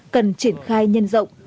cần triển khai nhân rộng